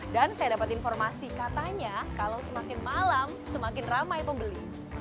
dan saya dapat informasi katanya kalau semakin malam semakin ramai pembeli